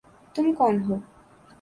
تم کون ہو؟